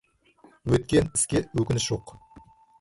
Өткен іске өкініш жоқ.